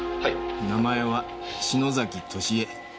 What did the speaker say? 名前は篠崎俊江。